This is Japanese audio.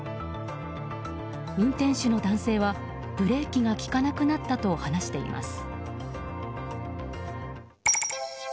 運転手の男性はブレーキが利かなくなったと話しています。